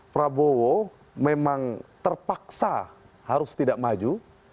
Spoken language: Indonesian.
prabowo memang terpaksa harus tidak maju